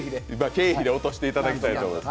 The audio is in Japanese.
経費で落としていただきたいと思います。